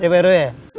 eh pak rw